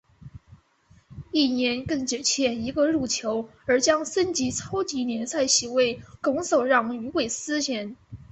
翌年更只欠一个入球而将升级超级联赛席位拱手让予韦斯咸。